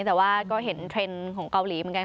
แต่ว่าก็เห็นเทรนด์ของเกาหลีเหมือนกัน